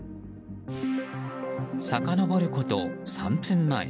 さかのぼること３分前。